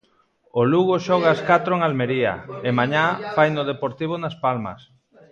O Lugo xoga ás catro en Almería, e mañá faino o Deportivo nas Palmas.